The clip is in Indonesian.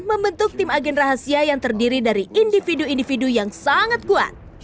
membentuk tim agen rahasia yang terdiri dari individu individu yang sangat kuat